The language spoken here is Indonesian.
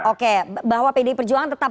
oke bahwa pdi perjuangan tetap